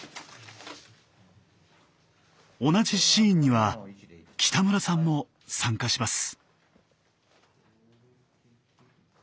同じシーンには北村さんも参加します。